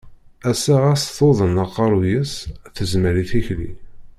Ass-a, ɣas tuḍen aqeṛṛu-s, tezmer i tikli.